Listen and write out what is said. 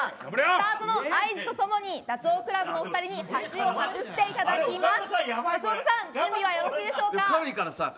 スタートの合図とともにダチョウ倶楽部のお２人に外していただきます。